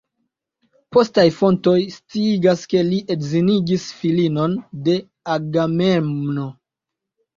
Postaj fontoj sciigas, ke li edzinigis filinon de Agamemno.